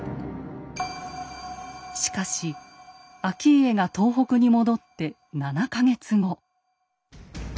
しかし顕家が東北に戻って７か月後。